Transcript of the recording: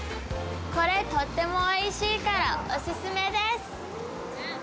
これ、とってもおいしいからお勧めです！